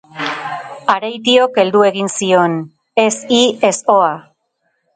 Areitiok heldu egin zion, Ez, hi ez hoa!.